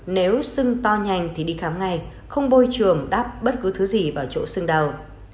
nếu sưng to nhanh thì đi khám ngay không bôi trường đắp bất cứ thứ gì vào chỗ sưng nào